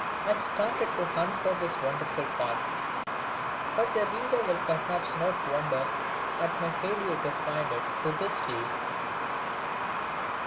I started to hunt for this wonderful path, but the reader will perhaps not wonder at my failure to find it to this day.